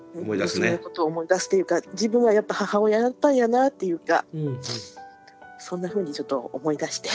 娘のことを思い出すというか自分はやっぱ母親やったんやなっていうかそんなふうにちょっと思い出して。